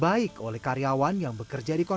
masker kain yang dibutuhkan